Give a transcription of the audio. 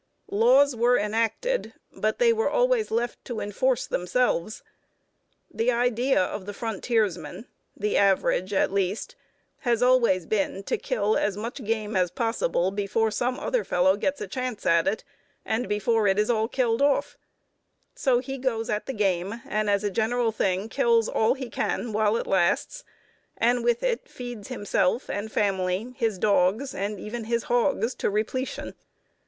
Laws were enacted, but they were always left to enforce themselves. The idea of the frontiersman (the average, at least) has always been to kill as much game as possible before some other fellow gets a chance at it, and before it is all killed off! So he goes at the game, and as a general thing kills all he can while it lasts, and with it feeds himself and family, his dogs, and even his hogs, to repletion.